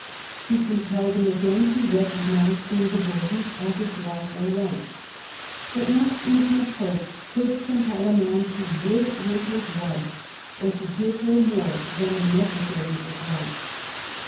He compelled him again to recog nise Ingeborgis as his lawful wife. But not even a pope could compel a man to live with his wife or to give her more than the necessaries of life.